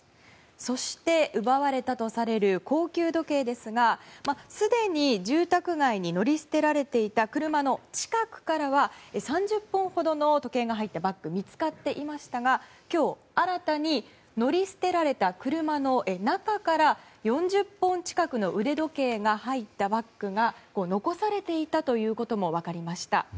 そして、奪われたとされる高級時計ですがすでに住宅街に乗り捨てられていた車の近くからは３０本ほどの時計が入ったバッグが見つかっていましたが今日、新たに乗り捨てられた車の中から４０本近くの腕時計が入ったバッグが残されていたということも分かりました。